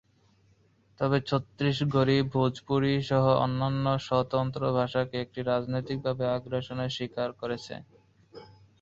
তবে ছত্তিসগড়ি, ভোজপুরি সহ অন্যান্য স্বতন্ত্র ভাষাকে এটি রাজনৈতিকভাবে আগ্রাসনের শিকার করেছে।